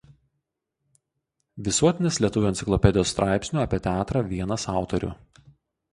Visuotinės lietuvių enciklopedijos straipsnių apie teatrą vienas autorių.